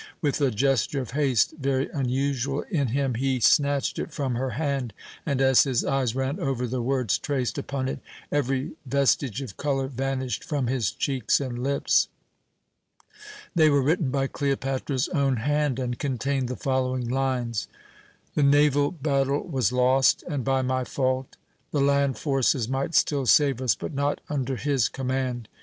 With a gesture of haste very unusual in him, he snatched it from her hand and, as his eyes ran over the words traced upon it, every vestige of colour vanished from his cheeks and lips. They were written by Cleopatra's own hand, and contained the following lines: "The naval battle was lost and by my fault. The land forces might still save us, but not under his command.